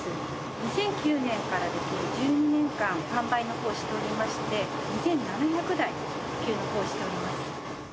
２００９年から１２年間販売のほうしておりまして、２７００台、契約をしております。